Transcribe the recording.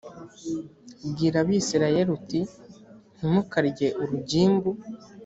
bwira abisirayeli uti ntimukarye urugimbu